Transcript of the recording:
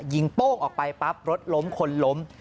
โป้งออกไปปั๊บรถล้มคนล้ม